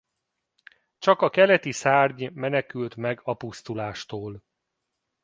Csak a keleti szárny menekült meg a pusztulástól.